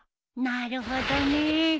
なるほどね。